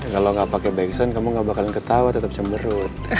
kalo gak pake back sound kamu gak bakalan ketawa tetep cemberut